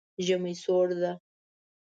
ژمی سوړ ده